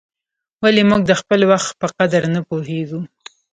ولي موږ د خپل وخت په قدر نه پوهیږو؟